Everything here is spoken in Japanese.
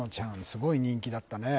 すごい人気だったね